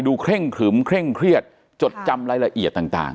เคร่งครึมเคร่งเครียดจดจำรายละเอียดต่าง